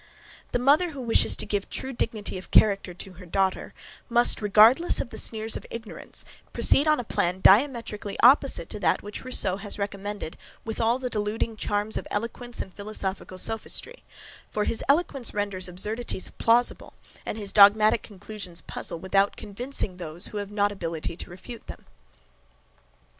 The mother, who wishes to give true dignity of character to her daughter, must, regardless of the sneers of ignorance, proceed on a plan diametrically opposite to that which Rousseau has recommended with all the deluding charms of eloquence and philosophical sophistry: for his eloquence renders absurdities plausible, and his dogmatic conclusions puzzle, without convincing those who have not ability to refute them.